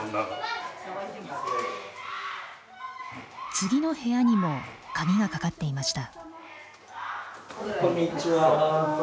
次の部屋にも鍵がかかっていました。